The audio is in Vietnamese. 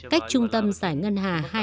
cách trung tâm giải ngân hà